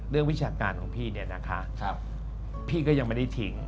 เรื่องวิชาการของพี่พี่ก็ยังไม่ได้ถิ่ง